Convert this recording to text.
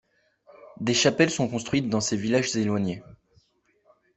Des chapelles sont construites dans ces villages éloignés.